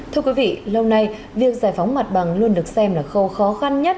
thưa quý vị lâu nay việc giải phóng mặt bằng luôn được xem là khâu khó khăn nhất